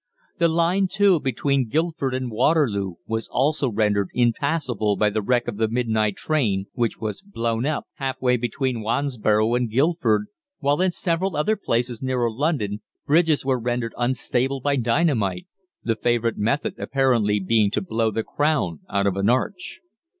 The line, too, between Guildford and Waterloo, was also rendered impassable by the wreck of the midnight train, which was blown up half way between Wansborough and Guildford, while in several other places nearer London bridges were rendered unstable by dynamite, the favourite method apparently being to blow the crown out of an arch.